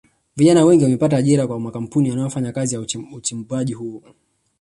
Vijana wengi wamepata ajira kwa makampuni yanayofanya kazi ya uchimbaji huo